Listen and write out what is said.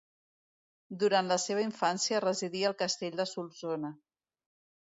Durant la seva infància residí al castell de Solsona.